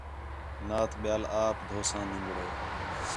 نات ٻِیال آپ دھوساں نِنگڑے